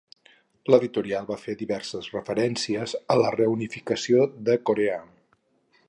L'editorial va fer diverses referències a la reunificació de Corea.